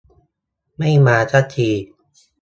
ไม่มาซะที